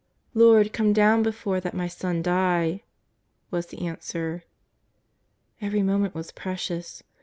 '^" Lord, come down before that my son die," was the answer. Every moment was precious.